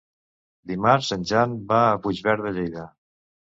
Dimarts en Jan va a Puigverd de Lleida.